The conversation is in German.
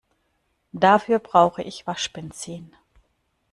Dafür brauche ich Waschbenzin.